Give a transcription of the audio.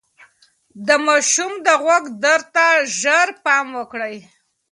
د ماشوم د غوږ درد ته ژر پام وکړئ.